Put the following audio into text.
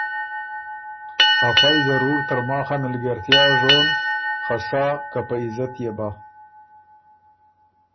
افئ ضرور ترماخ ا مِلګېرتیا ژون خه سا که په عزت يې بَۀ